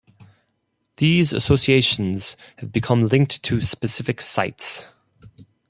These associations have become linked to specific sites.